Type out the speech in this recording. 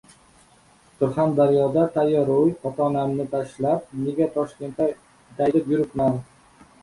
Surxonda tayyor uy, ota-onamni tashlab, nega Toshkent-da daydib yuribman?